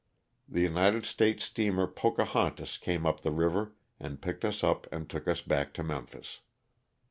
The United States steamer *' Pocahontas " came up the river and picked us up and took us back to Memphis.